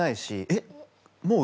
えっ？